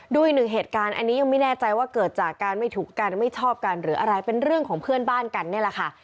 ดูอีกหนึ่งเหตุการณ์อันนี้ยังไม่แน่ใจว่าเกิดจากการไม่ถูกกันไม่ชอบกันหรืออะไรเป็นเรื่องของเพื่อนบ้านกันนี่แหละค่ะ